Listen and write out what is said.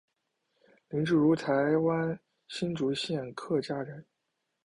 林志儒台湾新竹县客家人。